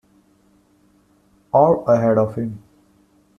Or ahead of him.